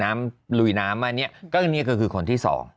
อันนี้เนี่ยคือคนที่๒